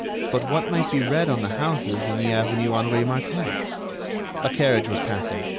But what might be read on the houses in the avenue Henri Martin? A carriage was passing.